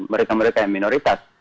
mereka mereka yang minoritas